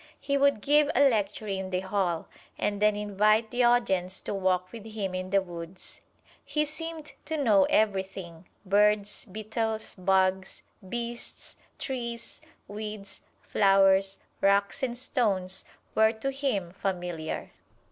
He would give a lecture in the hall, and then invite the audience to walk with him in the woods. He seemed to know everything: birds, beetles, bugs, beasts, trees, weeds, flowers, rocks and stones were to him familiar.